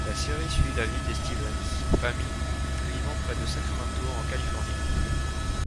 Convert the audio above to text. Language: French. La série suit la vie des Stevens, famille vivant près de Sacramento en Californie.